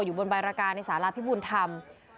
อยู่บนใบรกาในสาราพิบุญธรรม